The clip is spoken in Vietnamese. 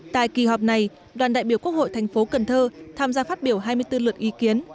tại kỳ họp này đoàn đại biểu quốc hội thành phố cần thơ tham gia phát biểu hai mươi bốn lượt ý kiến